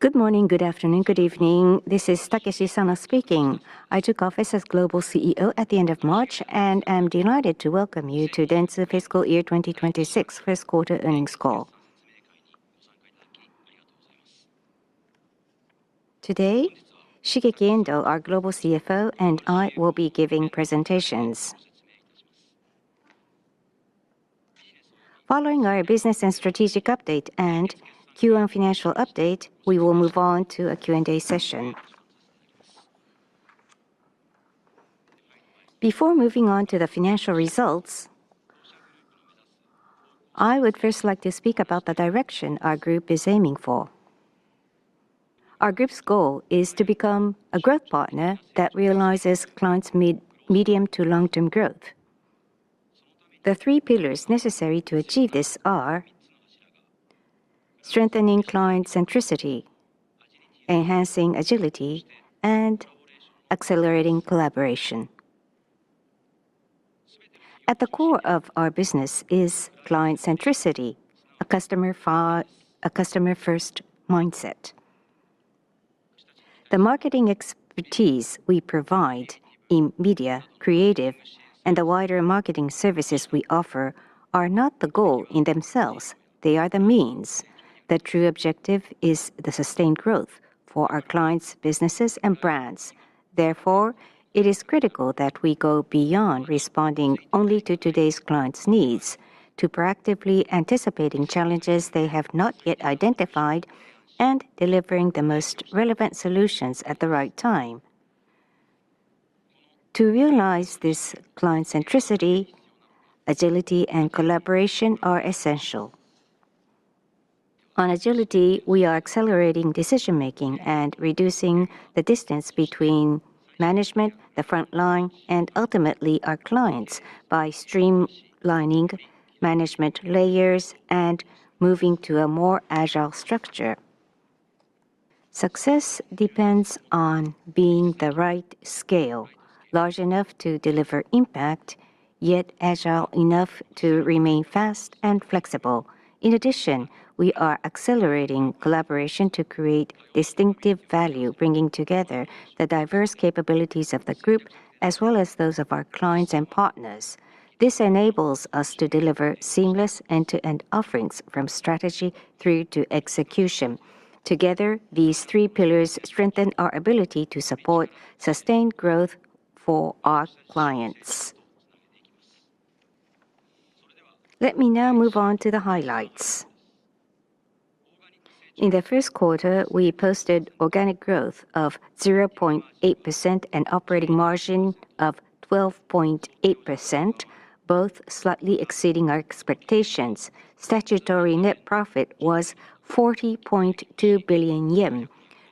Good morning, good afternoon, good evening. This is Takeshi Sano speaking. I took office as Global CEO at the end of March and am delighted to welcome you to Dentsu fiscal year 2026 first quarter earnings call. Today, Shigeki Endo, our Global CFO, and I will be giving presentations. Following our business and strategic update and Q on financial update, we will move on to a Q&A session. Before moving on to the financial results, I would first like to speak about the direction our group is aiming for. Our group's goal is to become a growth partner that realizes clients' medium to long-term growth. The three pillars necessary to achieve this are strengthening client centricity, enhancing agility, and accelerating collaboration. At the core of our business is client centricity, a customer-first mindset. The marketing expertise we provide in media, creative, and the wider marketing services we offer are not the goal in themselves. They are the means. The true objective is the sustained growth for our clients' businesses and brands. Therefore, it is critical that we go beyond responding only to today's clients' needs to proactively anticipating challenges they have not yet identified and delivering the most relevant solutions at the right time. To realize this client centricity, agility and collaboration are essential. On agility, we are accelerating decision-making and reducing the distance between management, the front line, and ultimately our clients by streamlining management layers and moving to a more agile structure. Success depends on being the right scale, large enough to deliver impact, yet agile enough to remain fast and flexible. In addition, we are accelerating collaboration to create distinctive value, bringing together the diverse capabilities of the group as well as those of our clients and partners. This enables us to deliver seamless end-to-end offerings from strategy through to execution. Together, these three pillars strengthen our ability to support sustained growth for our clients. Let me now move on to the highlights. In the first quarter, we posted organic growth of 0.8% and operating margin of 12.8%, both slightly exceeding our expectations. Statutory net profit was 40.2 billion yen,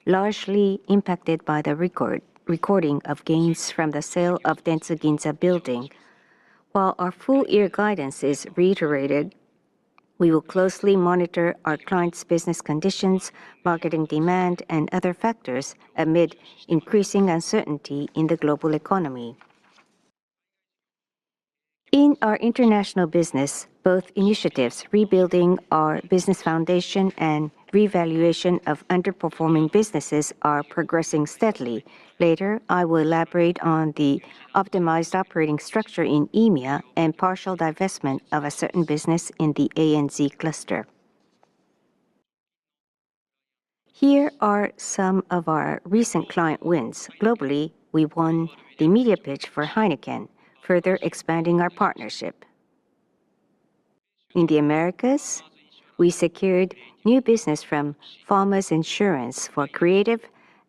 largely impacted by the recording of gains from the sale of Dentsu Ginza Building. While our full-year guidance is reiterated, we will closely monitor our clients' business conditions, marketing demand, and other factors amid increasing uncertainty in the global economy. In our international business, both initiatives rebuilding our business foundation and revaluation of underperforming businesses are progressing steadily. Later, I will elaborate on the optimized operating structure in EMEA and partial divestment of a certain business in the ANZ cluster. Here are some of our recent client wins. Globally, we won the media pitch for Heineken, further expanding our partnership. In the Americas, we secured new business from Farmers Insurance for creative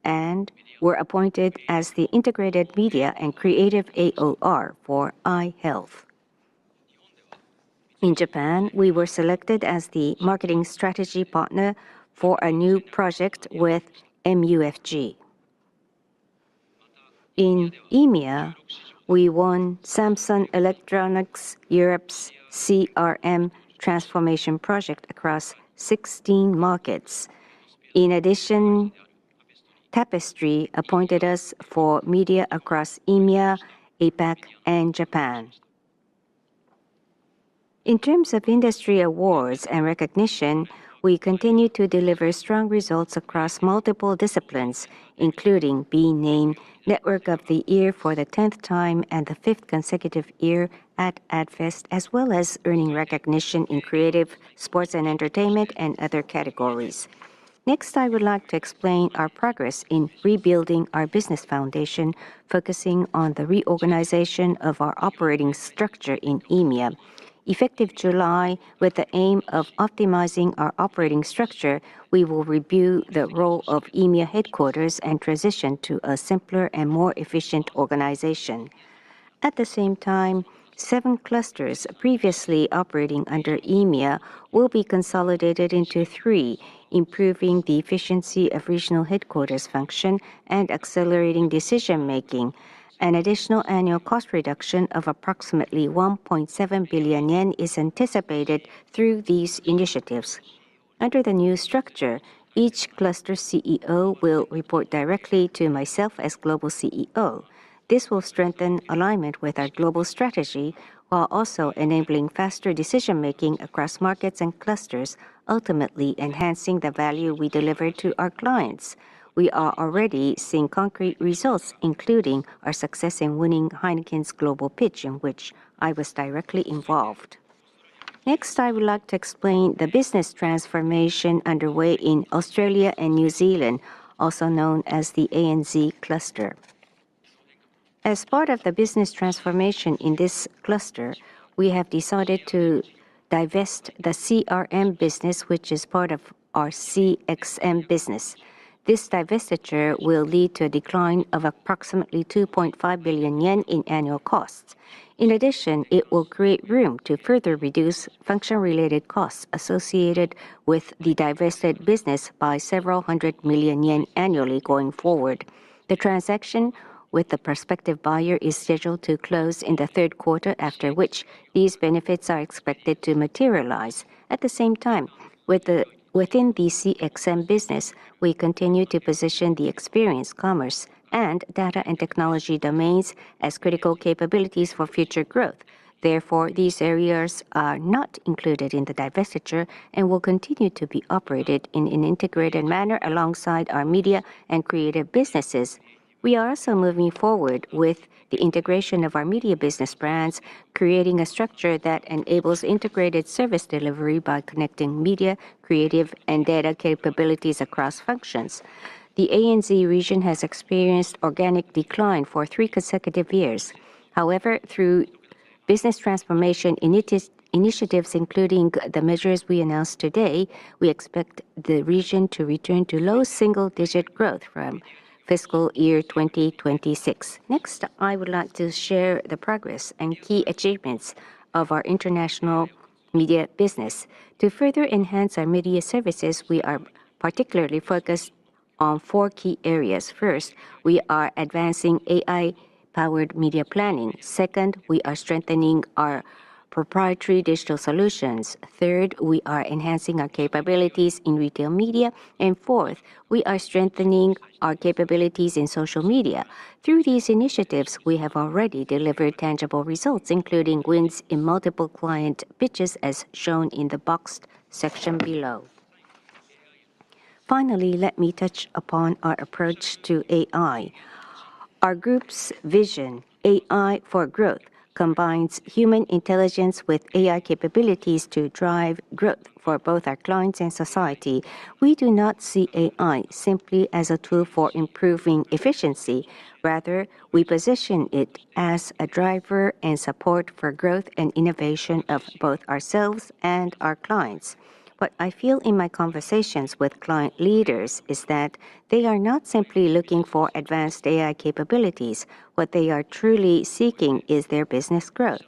and were appointed as the integrated media and creative AOR for Eye Health. In Japan, we were selected as the marketing strategy partner for a new project with MUFG. In EMEA, we won Samsung Electronics Europe's CRM transformation project across 16 markets. In addition, Tapestry appointed us for media across EMEA, APAC, and Japan. In terms of industry awards and recognition, we continue to deliver strong results across multiple disciplines, including being named Network of the Year for the 10th time and the fifth consecutive year at Adfest, as well as earning recognition in creative, sports and entertainment, and other categories. Next, I would like to explain our progress in rebuilding our business foundation, focusing on the reorganization of our operating structure in EMEA. Effective July, with the aim of optimizing our operating structure, we will review the role of EMEA headquarters and transition to a simpler and more efficient organization. At the same time, seven clusters previously operating under EMEA will be consolidated into three, improving the efficiency of regional headquarters function and accelerating decision-making. An additional annual cost reduction of approximately 1.7 billion yen is anticipated through these initiatives. Under the new structure, each cluster CEO will report directly to myself as Global CEO. This will strengthen alignment with our global strategy, while also enabling faster decision-making across markets and clusters, ultimately enhancing the value we deliver to our clients. We are already seeing concrete results, including our success in winning Heineken’s global pitch, in which I was directly involved. I would like to explain the business transformation underway in Australia and New Zealand, also known as the ANZ cluster. As part of the business transformation in this cluster, we have decided to divest the CRM business, which is part of our CXM business. This divestiture will lead to a decline of approximately 2.5 billion yen in annual costs. In addition, it will create room to further reduce function-related costs associated with the divested business by several hundred million JPY annually going forward. The transaction with the prospective buyer is scheduled to close in the third quarter, after which these benefits are expected to materialize. At the same time, within the CXM business, we continue to position the experience commerce and data and technology domains as critical capabilities for future growth. These areas are not included in the divestiture and will continue to be operated in an integrated manner alongside our media and creative businesses. We are also moving forward with the integration of our media business brands, creating a structure that enables integrated service delivery by connecting media, creative, and data capabilities across functions. The ANZ region has experienced organic decline for three consecutive years. However, through business transformation initiatives, including the measures we announced today, we expect the region to return to low single-digit growth from fiscal year 2026. Next, I would like to share the progress and key achievements of our international media business. To further enhance our media services, we are particularly focused on four key areas. First, we are advancing AI-powered media planning. Second, we are strengthening our proprietary digital solutions. Third, we are enhancing our capabilities in retail media. Fourth, we are strengthening our capabilities in social media. Through these initiatives, we have already delivered tangible results, including wins in multiple client pitches, as shown in the boxed section below. Finally, let me touch upon our approach to AI. Our group's vision, AI for Growth, combines human intelligence with AI capabilities to drive growth for both our clients and society. We do not see AI simply as a tool for improving efficiency. Rather, we position it as a driver and support for growth and innovation of both ourselves and our clients. What I feel in my conversations with client leaders is that they are not simply looking for advanced AI capabilities. What they are truly seeking is their business growth.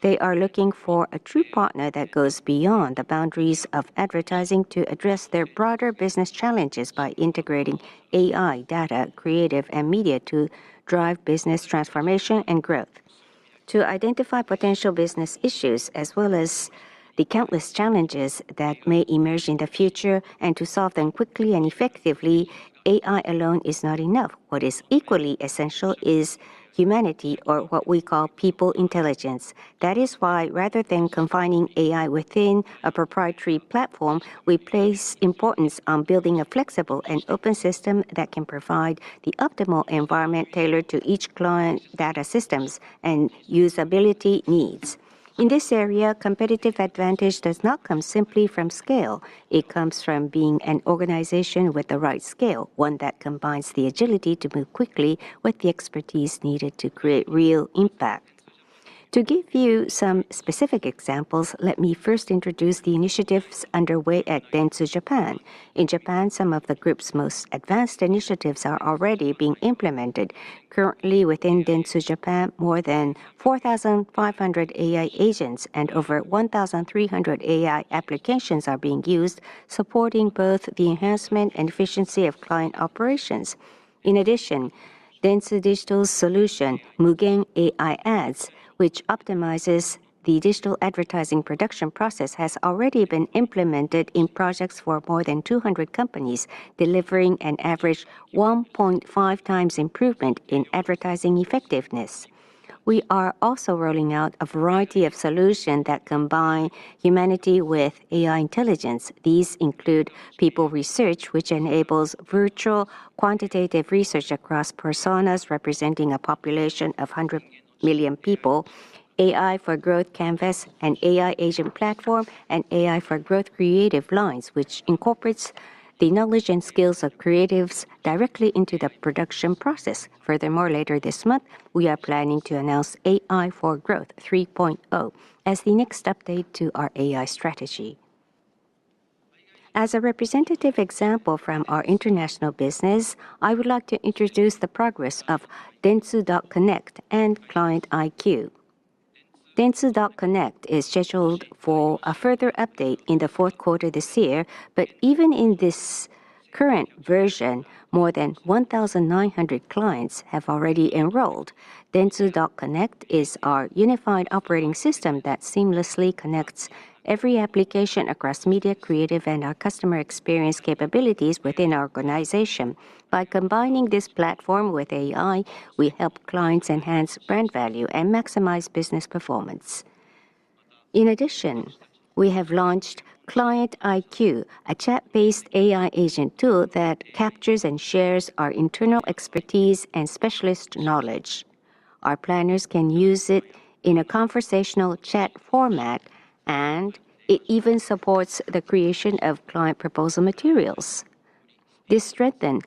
They are looking for a true partner that goes beyond the boundaries of advertising to address their broader business challenges by integrating AI, data, creative, and media to drive business transformation and growth. To identify potential business issues, as well as the countless challenges that may emerge in the future, and to solve them quickly and effectively, AI alone is not enough. What is equally essential is humanity or what we call people intelligence. That is why rather than confining AI within a proprietary platform, we place importance on building a flexible and open system that can provide the optimal environment tailored to each client data systems and usability needs. In this area, competitive advantage does not come simply from scale. It comes from being an organization with the right scale, one that combines the agility to move quickly with the expertise needed to create real impact. To give you some specific examples, let me first introduce the initiatives underway at dentsu Japan. In Japan, some of the group's most advanced initiatives are already being implemented. Currently, within dentsu Japan, more than 4,500 AI agents and over 1,300 AI applications are being used, supporting both the enhancement and efficiency of client operations. In addition, Dentsu Digital's solution, Mugen AI Ads, which optimizes the digital advertising production process, has already been implemented in projects for more than 200 companies, delivering an average 1.5 times improvement in advertising effectiveness. We are also rolling out a variety of solution that combine humanity with AI intelligence. These include People Research, which enables virtual quantitative research across personas representing a population of 100 million people; AI For Growth Canvas, an AI agent platform; and AI For Growth Creative Lines, which incorporates the knowledge and skills of creatives directly into the production process. Later this month, we are planning to announce AI For Growth 3.0 as the next update to our AI strategy. As a representative example from our international business, I would like to introduce the progress of Dentsu.Connect and Client IQ. dentsu. Connect is scheduled for a further update in the fourth quarter this year, even in this current version, more than 1,900 clients have already enrolled. Dentsu.Connect is our unified operating system that seamlessly connects every application across media, creative and our customer experience capabilities within our organization. By combining this platform with AI, we help clients enhance brand value and maximize business performance. In addition, we have launched Client IQ, a chat-based AI agent tool that captures and shares our internal expertise and specialist knowledge. Our planners can use it in a conversational chat format, it even supports the creation of client proposal materials. This strengthens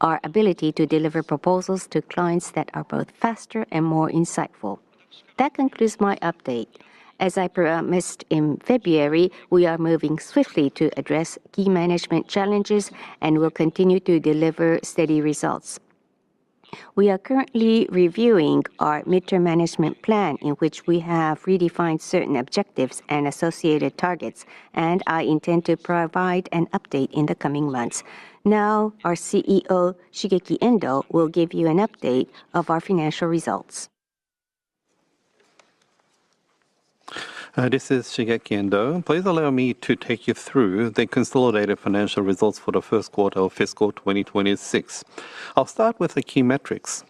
our ability to deliver proposals to clients that are both faster and more insightful. That concludes my update. As I promised in February, we are moving swiftly to address key management challenges and will continue to deliver steady results. We are currently reviewing our midterm management plan in which we have redefined certain objectives and associated targets, and I intend to provide an update in the coming months. Now, our CEO, Shigeki Endo, will give you an update of our financial results. This is Shigeki Endo. Please allow me to take you through the consolidated financial results for the first quarter of fiscal 2026. I'll start with the key metrics.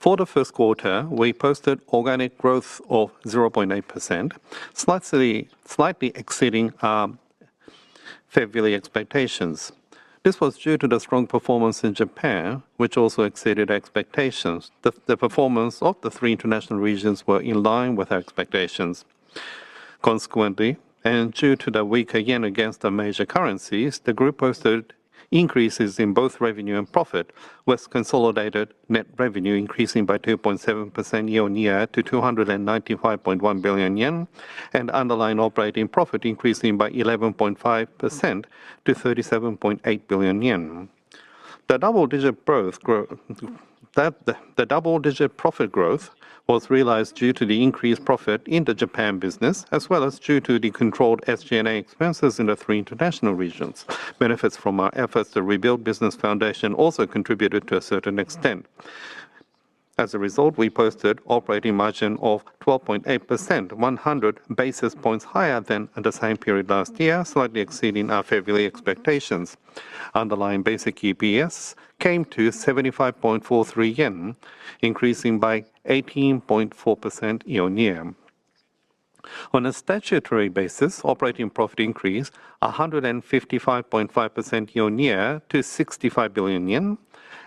For the first quarter, we posted organic growth of 0.8%, slightly exceeding our February expectations. This was due to the strong performance in Japan, which also exceeded expectations. The performance of the three international regions were in line with our expectations. Consequently, due to the weak yen against the major currencies, the group posted increases in both revenue and profit, with consolidated net revenue increasing by 2.7% year-on-year to 295.1 billion yen and underlying operating profit increasing by 11.5% to 37.8 billion yen. The double-digit profit growth was realized due to the increased profit in the Dentsu Japan business, as well as due to the controlled SG&A expenses in the three international regions. Benefits from our efforts to rebuild business foundation also contributed to a certain extent. As a result, we posted operating margin of 12.8%, 100 basis points higher than at the same period last year, slightly exceeding our February expectations. Underlying basic EPS came to 75.43 yen, increasing by 18.4% year-on-year. On a statutory basis, operating profit increased 155.5% year-on-year to 65 billion yen,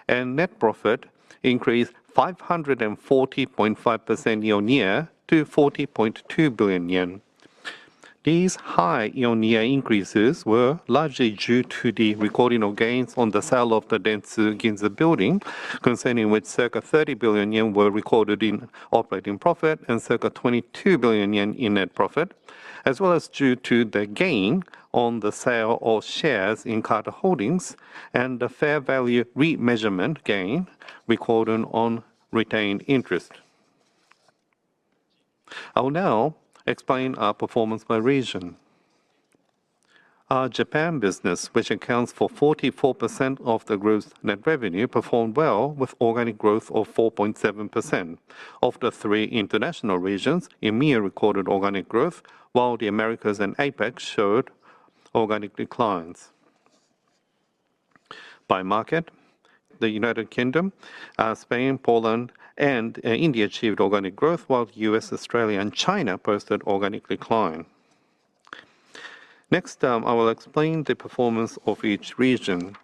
and net profit increased 540.5% year-on-year to 40.2 billion yen. These high year-on-year increases were largely due to the recording of gains on the sale of the Dentsu Ginza building, concerning which circa 30 billion yen were recorded in operating profit and circa 22 billion yen in net profit, as well as due to the gain on the sale of shares in CARTA HOLDINGS and the fair value remeasurement gain recorded on retained interest. I will now explain our performance by region. Our Japan business, which accounts for 44% of the group's net revenue, performed well with organic growth of 4.7%. Of the three international regions, EMEA recorded organic growth, while the Americas and APAC showed organic declines. By market, the U.K., Spain, Poland, and India achieved organic growth, while U.S., Australia, and China posted organic decline. I will explain the performance of each region.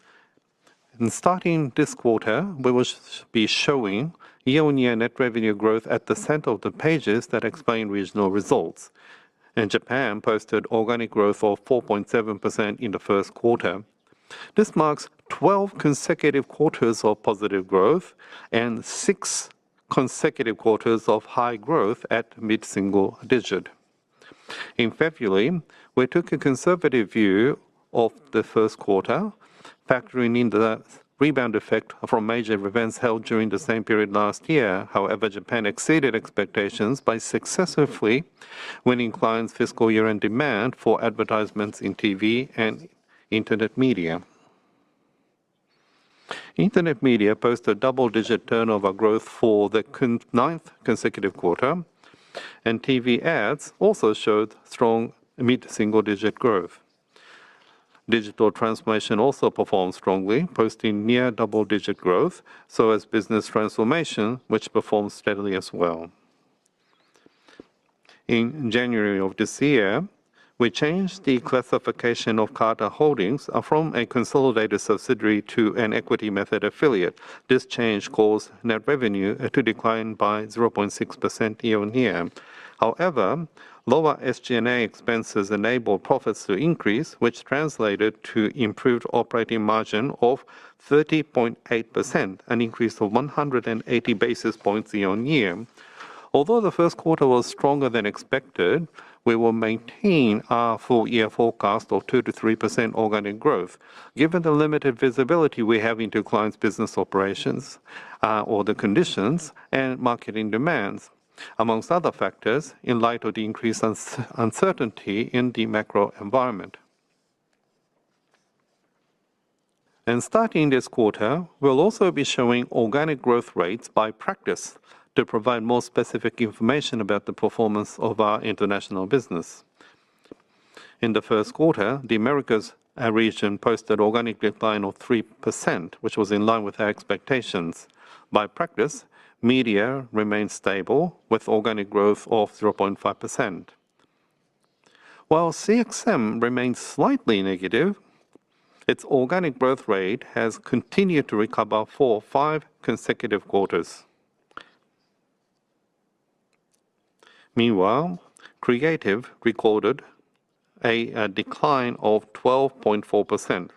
In starting this quarter, we will be showing year-on-year net revenue growth at the center of the pages that explain regional results. Japan posted organic growth of 4.7% in the first quarter. This marks 12 consecutive quarters of positive growth and six consecutive quarters of high growth at mid-single digit. In February, we took a conservative view of the first quarter, factoring in the rebound effect from major events held during the same period last year. Japan exceeded expectations by successively winning clients' fiscal year-end demand for advertisements in TV and Internet media. Internet media posted double-digit turnover growth for the ninth consecutive quarter. TV ads also showed strong mid-single digit growth. Digital Transformation also performed strongly, posting near double-digit growth, so has Business Transformation, which performs steadily as well. In January of this year, we changed the classification of CARTA HOLDINGS, Inc, from a consolidated subsidiary to an equity method affiliate. This change caused net revenue to decline by 0.6% year-on-year. However, lower SG&A expenses enabled profits to increase, which translated to improved operating margin of 30.8%, an increase of 180 basis points year-on-year. Although the first quarter was stronger than expected, we will maintain our full year forecast of 2%-3% organic growth given the limited visibility we have into clients' business operations, or the conditions and marketing demands amongst other factors in light of the increased uncertainty in the macro environment. Starting this quarter, we will also be showing organic growth rates by practice to provide more specific information about the performance of our international business. In the first quarter, the Americas region posted organic decline of 3%, which was in line with our expectations. By practice, media remained stable with organic growth of 0.5%. While CXM remained slightly negative, its organic growth rate has continued to recover for five consecutive quarters. Meanwhile, creative recorded a decline of 12.4%,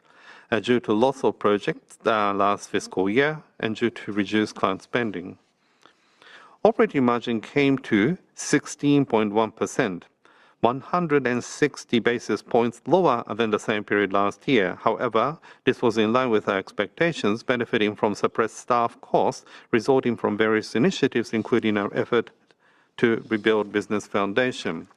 due to loss of projects the last fiscal year and due to reduced client spending. Operating margin came to 16.1%, 160 basis points lower than the same period last year. However, this was in line with our expectations, benefiting from suppressed staff costs resulting from various initiatives, including our effort to rebuild business foundation.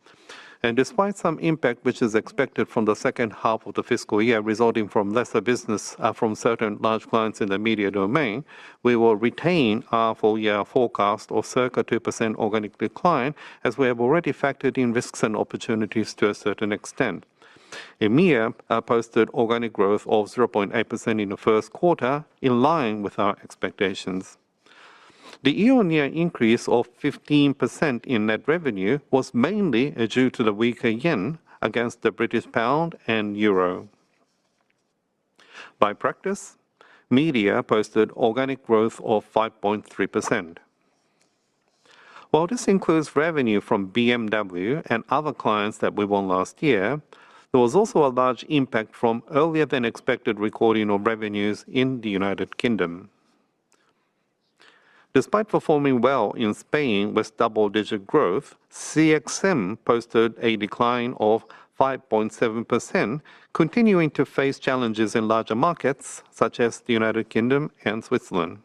despite some impact which is expected from the second half of the fiscal year resulting from lesser business, from certain large clients in the media domain, we will retain our full year forecast of circa 2% organic decline as we have already factored in risks and opportunities to a certain extent. EMEA posted organic growth of 0.8% in the first quarter, in line with our expectations. The year-on-year increase of 15% in net revenue was mainly due to the weaker yen against the British pound and euro. By practice, media posted organic growth of 5.3%. While this includes revenue from BMW and other clients that we won last year, there was also a large impact from earlier than expected recording of revenues in the United Kingdom. Despite performing well in Spain with double-digit growth, CXM posted a decline of 5.7% continuing to face challenges in larger markets such as the U.K. and Switzerland.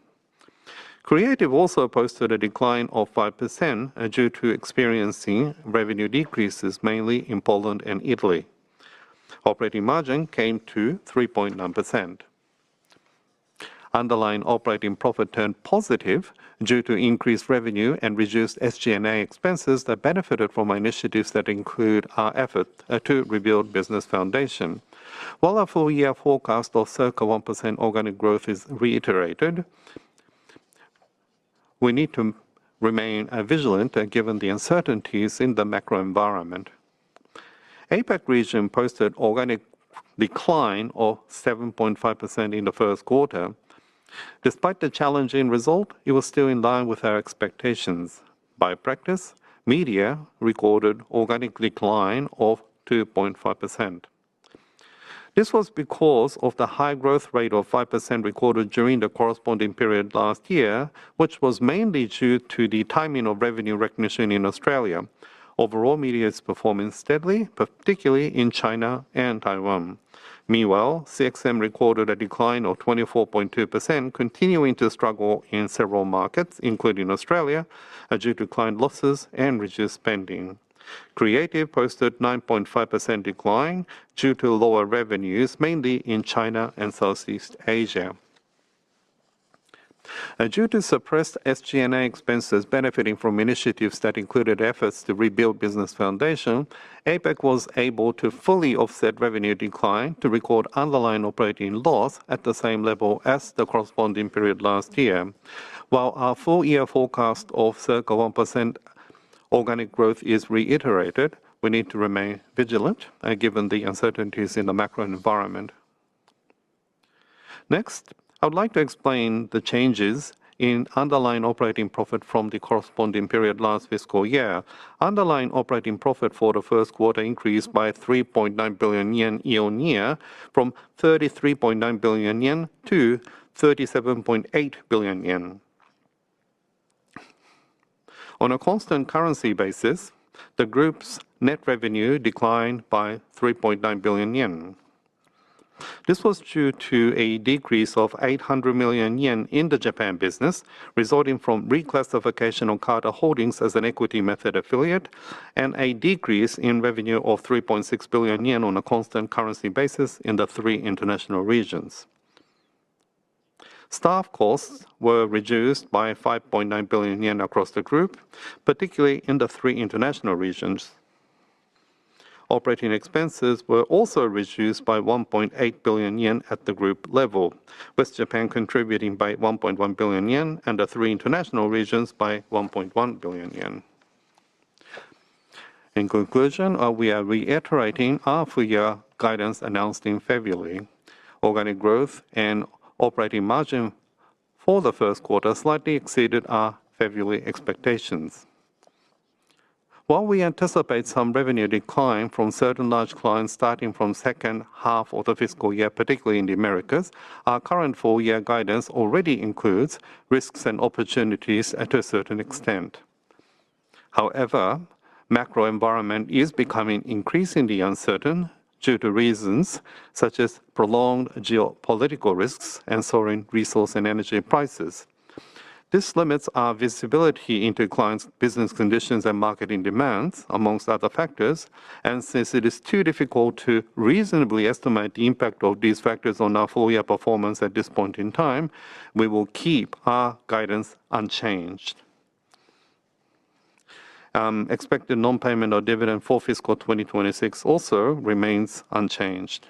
Creative also posted a decline of 5%, due to experiencing revenue decreases mainly in Poland and Italy. Operating margin came to 3.9%. Underlying operating profit turned positive due to increased revenue and reduced SG&A expenses that benefited from our initiatives that include our effort to rebuild business foundation. While our full year forecast of circa 1% organic growth is reiterated, we need to remain vigilant given the uncertainties in the macro environment. APAC region posted organic decline of 7.5% in the first quarter. Despite the challenging result, it was still in line with our expectations. By practice, media recorded organic decline of 2.5%. This was because of the high growth rate of 5% recorded during the corresponding period last year, which was mainly due to the timing of revenue recognition in Australia. Overall, media is performing steadily, particularly in China and Taiwan. Meanwhile, CXM recorded a decline of 24.2% continuing to struggle in several markets, including Australia, due to client losses and reduced spending. Creative posted 9.5% decline due to lower revenues, mainly in China and Southeast Asia. Due to suppressed SG&A expenses benefiting from initiatives that included efforts to rebuild business foundation, APAC was able to fully offset revenue decline to record underlying operating loss at the same level as the corresponding period last year. While our full year forecast of circa 1% organic growth is reiterated, we need to remain vigilant, given the uncertainties in the macro environment. Next, I would like to explain the changes in underlying operating profit from the corresponding period last fiscal year. Underlying operating profit for the first quarter increased by 3.9 billion yen year-over-year from 33.9 billion yen to 37.8 billion yen. On a constant currency basis, the group's net revenue declined by 3.9 billion yen. This was due to a decrease of 800 million yen in the Japan business resulting from reclassification of CARTA HOLDINGS as an equity method affiliate and a decrease in revenue of 3.6 billion yen on a constant currency basis in the three international regions. Staff costs were reduced by 5.9 billion yen across the group, particularly in the three international regions. Operating expenses were also reduced by 1.8 billion yen at the group level, with Japan contributing by 1.1 billion yen and the three international regions by 1.1 billion yen. In conclusion, we are reiterating our full year guidance announced in February. Organic growth and operating margin for the first quarter slightly exceeded our February expectations. While we anticipate some revenue decline from certain large clients starting from second half of the fiscal year, particularly in the Americas, our current full year guidance already includes risks and opportunities at a certain extent. However, macro environment is becoming increasingly uncertain due to reasons such as prolonged geopolitical risks and soaring resource and energy prices. This limits our visibility into clients' business conditions and marketing demands amongst other factors. Since it is too difficult to reasonably estimate the impact of these factors on our full year performance at this point in time, we will keep our guidance unchanged. Expected non-payment of dividend for fiscal 2026 also remains unchanged.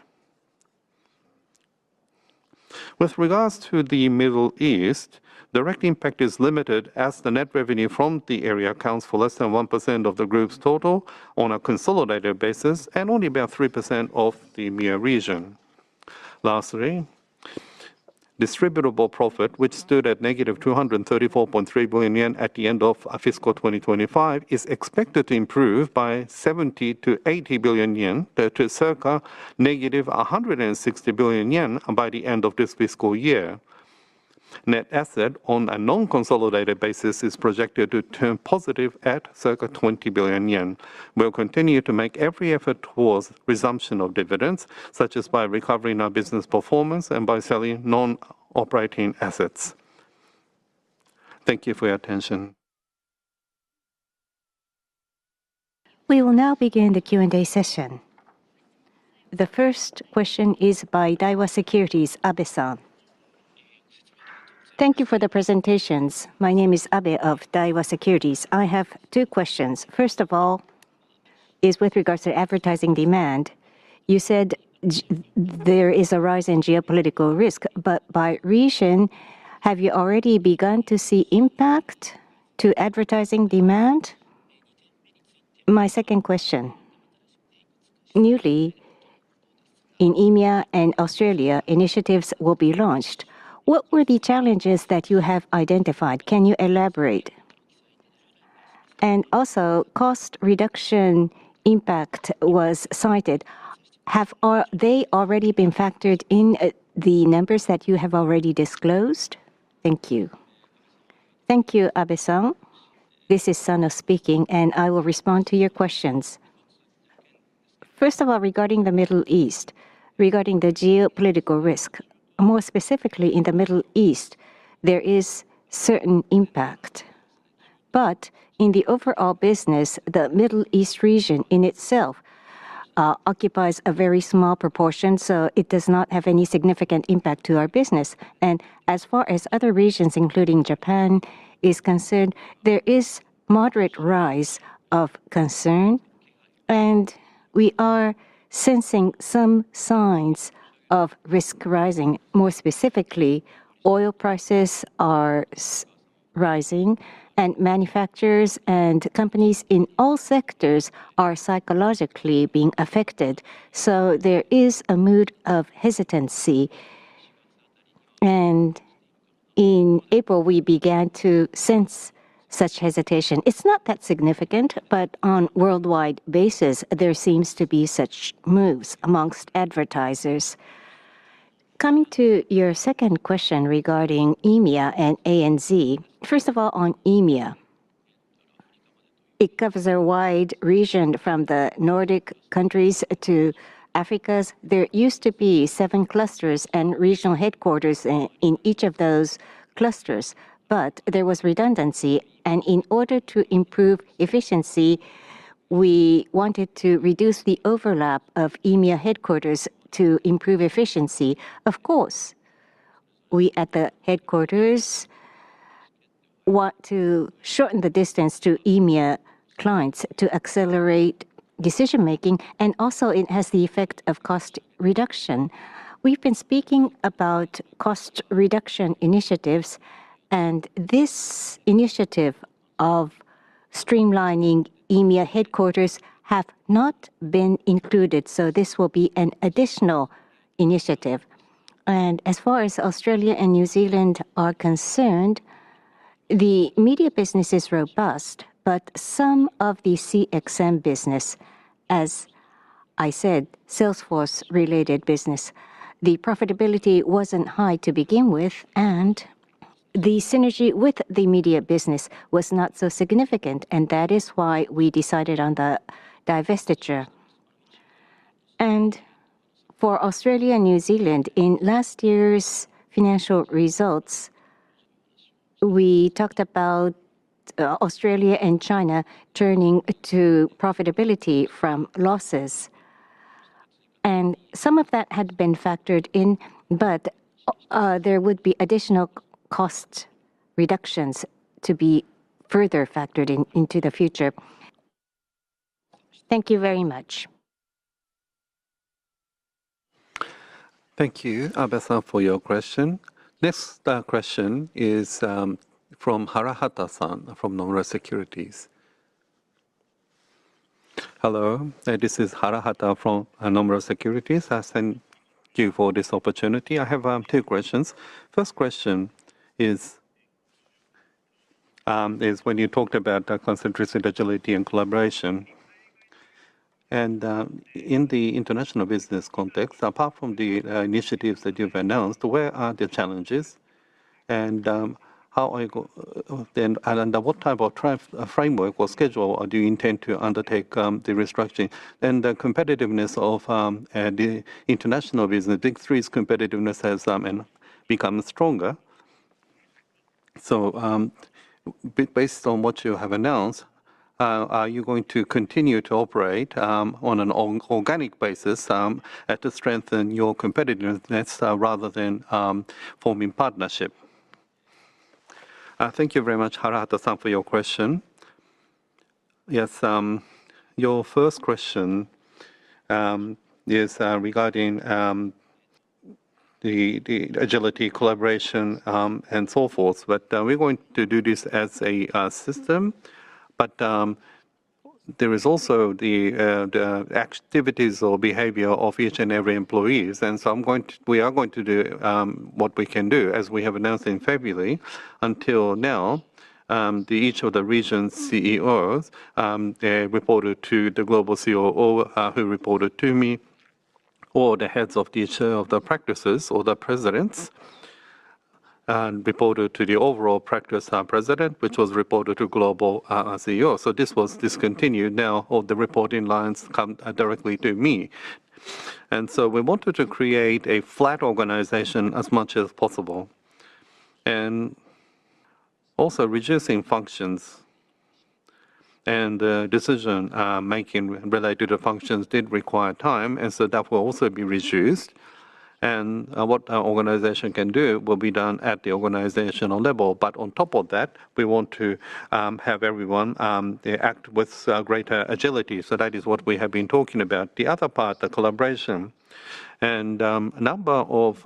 With regards to the Middle East, direct impact is limited as the net revenue from the area accounts for less than 1% of the group's total on a consolidated basis and only about 3% of the EMEA region. Lastly, distributable profit, which stood at -234.3 billion yen at the end of fiscal 2025, is expected to improve by 70 billion-80 billion yen to circa -160 billion yen by the end of this fiscal year. Net asset on a non-consolidated basis is projected to turn positive at circa 20 billion yen. We'll continue to make every effort towards resumption of dividends, such as by recovering our business performance and by selling non-operating assets. Thank you for your attention. We will now begin the Q&A session. The first question is by Daiwa Securities, Abe-san. Thank you for the presentations. My name is Abe of Daiwa Securities. I have two questions. First of all is with regards to advertising demand. You said there is a rise in geopolitical risk, but by region, have you already begun to see impact to advertising demand? My second question. Newly in EMEA and Australia, initiatives will be launched. What were the challenges that you have identified? Can you elaborate? Also, cost reduction impact was cited. Have they already been factored in the numbers that you have already disclosed? Thank you. Thank you, Abe-san. This is Sano speaking, and I will respond to your questions. First of all, regarding the Middle East, regarding the geopolitical risk, more specifically in the Middle East, there is certain impact. in the overall business, the Middle East region in itself occupies a very small proportion, so it does not have any significant impact to our business. As far as other regions, including Japan, is concerned, there is moderate rise of concern, and we are sensing some signs of risk rising. More specifically, oil prices are rising and manufacturers and companies in all sectors are psychologically being affected. There is a mood of hesitancy. In April, we began to sense such hesitation. It's not that significant, but on worldwide basis, there seems to be such moves amongst advertisers. Coming to your second question regarding EMEA and ANZ. First of all, on EMEA. It covers a wide region from the Nordic countries to Africa. There used to be seven clusters and regional headquarters in each of those clusters, but there was redundancy. In order to improve efficiency, we wanted to reduce the overlap of EMEA headquarters to improve efficiency. Of course, we at the headquarters want to shorten the distance to EMEA clients to accelerate decision-making, and also it has the effect of cost reduction. We've been speaking about cost reduction initiatives, and this initiative of streamlining EMEA headquarters have not been included, so this will be an additional initiative. For Australia and New Zealand, the media business is robust, but some of the CXM business, as I said, Salesforce related business, the profitability wasn't high to begin with, and the synergy with the media business was not so significant, and that is why we decided on the divestiture. For Australia and New Zealand, in last year's financial results, we talked about Australia and China turning to profitability from losses. some of that had been factored in, but, there would be additional cost reductions to be further factored in, into the future. Thank you very much. Thank you, Abe-san, for your question. Next question is from Harahata-san from Nomura Securities. Hello. This is Harahata from Nomura Securities. I thank you for this opportunity. I have two questions. First question is when you talked about concentration, agility and collaboration, and in the international business context, apart from the initiatives that you've announced, where are the challenges? How are you going to undertake the restructuring under what type of framework or schedule? The competitiveness of the international business, Big 3's competitiveness has become stronger. Based on what you have announced, are you going to continue to operate on an organic basis to strengthen your competitiveness rather than forming partnership? Thank you very much, Harahata-san, for your question. Yes, your first question is regarding the agility, collaboration, and so forth. We're going to do this as a system, but there is also the activities or behavior of each and every employees. We are going to do what we can do. As we have announced in February until now, each of the region's CEOs, they reported to the Global COO, who reported to me, or the heads of each of the practices or the presidents, reported to the overall Practice President, which was reported to Global CEO. This was discontinued. Now all the reporting lines come directly to me. We wanted to create a flat organization as much as possible. Also reducing functions and decision making related to functions did require time, and so that will also be reduced. What our organization can do will be done at the organizational level. On top of that, we want to have everyone act with greater agility. That is what we have been talking about. The other part, the collaboration, and a number of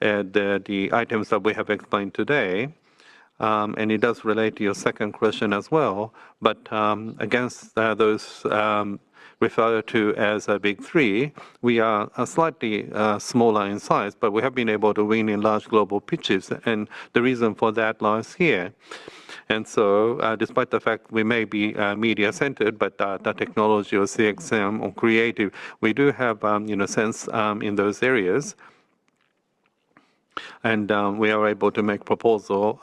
the items that we have explained today, and it does relate to your second question as well, but against those referred to as big three, we are a slightly smaller in size, but we have been able to win in large global pitches. The reason for that lies here. Despite the fact we may be media centered, but the technology or CXM or creative, we do have a sense in those areas. We are able to make proposal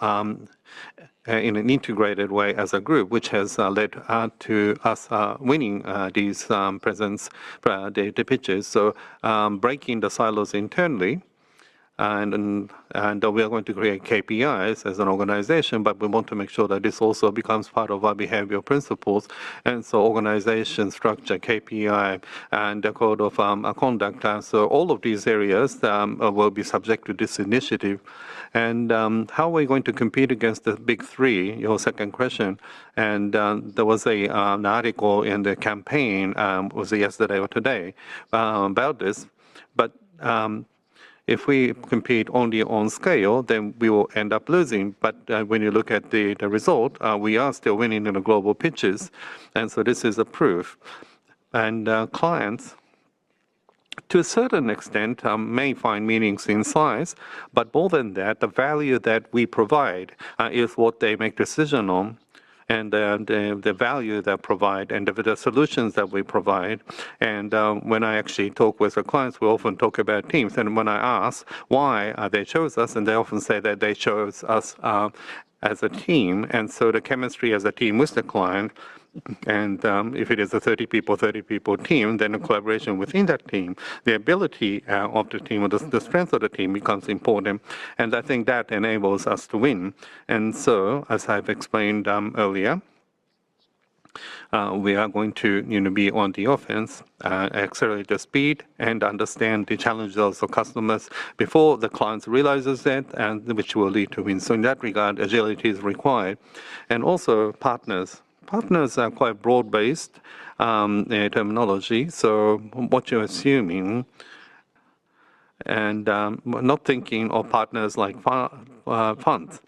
in an integrated way as a group which has led to us winning these presents for the data pitches. Breaking the silos internally and we are going to create KPIs as an organization, but we want to make sure that this also becomes part of our behavioral principles. Organization structure, KPI, and the code of conduct. All of these areas will be subject to this initiative. How are we going to compete against the Big 3, your second question. There was a article in the Campaign, was it yesterday or today, about this. If we compete only on scale, then we will end up losing. When you look at the result, we are still winning in the global pitches, and so this is a proof. Clients to a certain extent, may find meanings in size, but more than that, the value that we provide, is what they make decision on, and the value that provide and the solutions that we provide. When I actually talk with the clients, we often talk about teams. When I ask why, they chose us, and they often say that they chose us, as a team, and so the chemistry as a team with the client and, if it is a 30 people team, then the collaboration within that team, the ability of the team or the strength of the team becomes important. I think that enables us to win. As I've explained earlier, we are going to, you know, be on the offense, accelerate the speed, and understand the challenges of customers before the clients realizes it, and which will lead to win. In that regard, agility is required. Partners are quite broad-based terminology. What you're assuming and not thinking of partners like funds.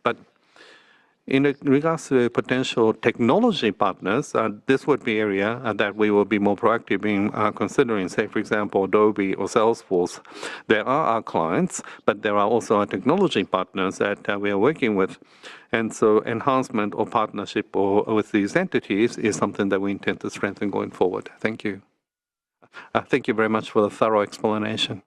In regards to potential technology partners, this would be area that we will be more proactive in considering. Say for example, Adobe or Salesforce, they are our clients, but they are also our technology partners that we are working with. Enhancement or partnership or with these entities is something that we intend to strengthen going forward. Thank you. Thank you very much for the thorough explanation.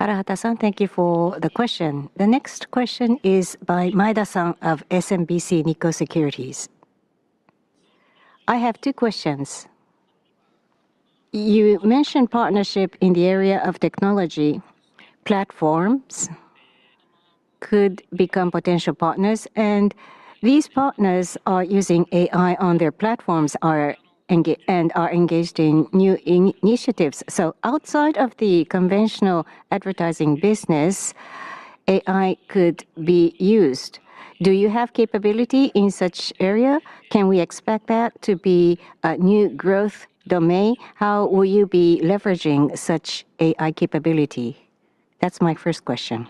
Harahata-san, thank you for the question. The next question is by Maeda-san of SMBC Nikko Securities. I have two questions. You mentioned partnership in the area of technology. Platforms could become potential partners, and these partners are using AI on their platforms, and are engaged in new initiatives. Outside of the conventional advertising business, AI could be used. Do you have capability in such area? Can we expect that to be a new growth domain? How will you be leveraging such AI capability? That's my first question.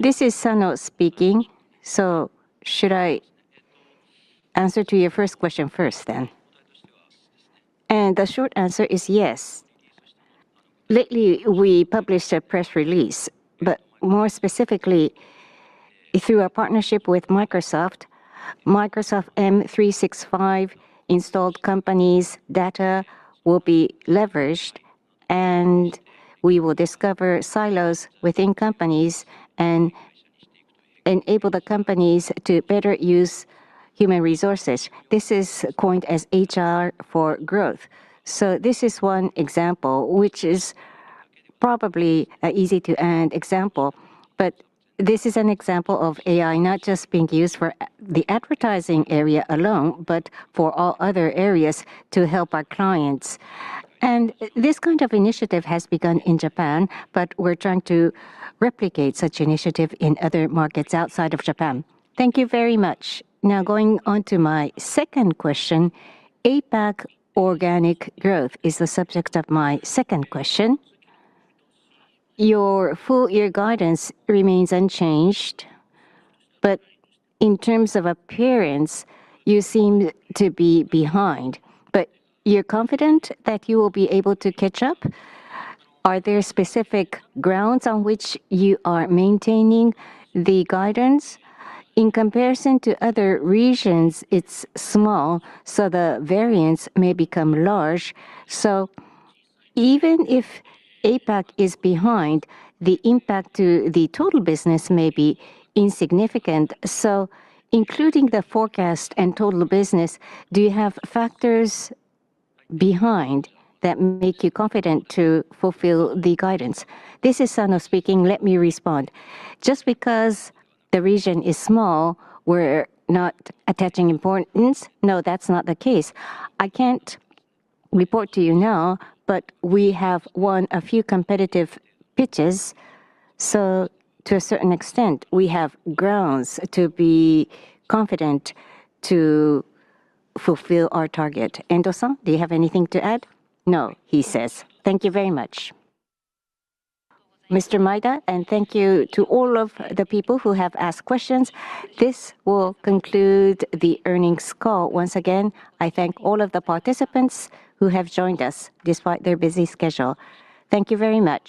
This is Sano speaking. Should I answer to your first question first then? The short answer is yes. Lately, we published a press release, but more specifically, through our partnership with Microsoft M365 installed companies' data will be leveraged, and we will discover silos within companies and enable the companies to better use human resources. This is coined as HR for Growth. This is one example, which is probably an easy to earn example, but this is an example of AI not just being used for the advertising area alone, but for all other areas to help our clients. This kind of initiative has begun in Japan, but we're trying to replicate such initiative in other markets outside of Japan. Thank you very much. Now going on to my second question. APAC organic growth is the subject of my second question. Your full year guidance remains unchanged, but in terms of appearance, you seem to be behind, but you're confident that you will be able to catch up? Are there specific grounds on which you are maintaining the guidance? In comparison to other regions, it's small, so the variance may become large. Even if APAC is behind, the impact to the total business may be insignificant. Including the forecast and total business, do you have factors behind that make you confident to fulfill the guidance? This is Sano speaking. Let me respond. Just because the region is small, we're not attaching importance. No, that's not the case. I can't report to you now, but we have won a few competitive pitches, so to a certain extent, we have grounds to be confident to fulfill our target. Endo-san, do you have anything to add? No, he says. Thank you very much. Mr. Maeda, and thank you to all of the people who have asked questions. This will conclude the earnings call. Once again, I thank all of the participants who have joined us despite their busy schedule. Thank you very much